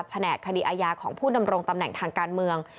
แหนกคดีอาญาของผู้ดำรงตำแหน่งทางการเมือง